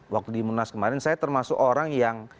waktu di munas kemarin saya termasuk orang yang